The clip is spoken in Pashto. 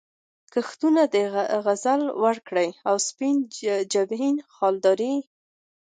کښتونه د غزل وکره، سپین جبین خالدارې